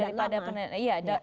jauh lebih sulit